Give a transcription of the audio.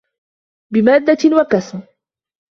بِمَادَّةٍ وَكَسْبٍ